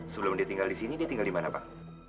sebelum dia tinggal disini dia tinggal dimana pak